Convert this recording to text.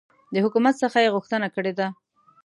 د حکومت څخه یي غوښتنه کړې ده